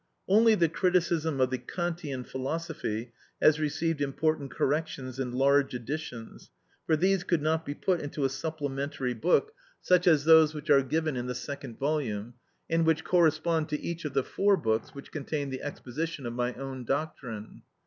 Only the criticism of the Kantian philosophy has received important corrections and large additions, for these could not be put into a supplementary book, such as those which are given in the second volume, and which correspond to each of the four books that contain the exposition of my own doctrine.